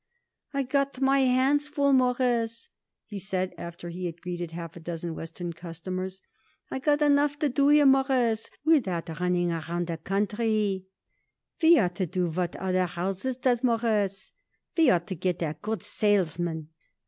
"I got my hands full, Mawruss," he said, after he had greeted half a dozen Western customers; "I got enough to do here, Mawruss, without running around the country. We ought to do what other houses does, Mawruss. We ought to get a good salesman.